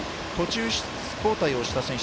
途中交代した選手